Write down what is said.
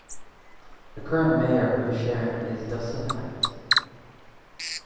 The current Mayor of New Sharon is Dustin Hite.